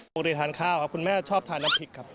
ปกติทานข้าวครับคุณแม่ชอบทานน้ำพริกครับ